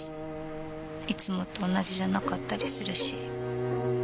いつもと同じじゃなかったりするし。